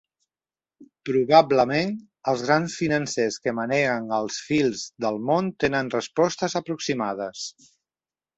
Probablement, els grans financers que maneguen els fils del món tenen respostes aproximades.